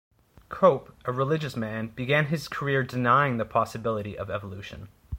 Cope, a religious man, began his career denying the possibility of evolution.